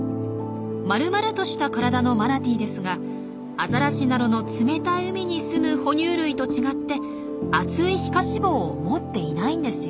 まるまるとした体のマナティーですがアザラシなどの冷たい海にすむ哺乳類と違って厚い皮下脂肪を持っていないんですよ。